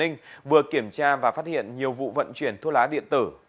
đội cảnh sát công an tp hạ long vừa kiểm tra và phát hiện nhiều vụ vận chuyển thuốc lá điện tử